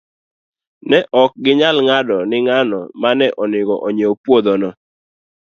Ne ok ginyal ng'ado ni ng'ano ma ne onego ong'iew puodhono.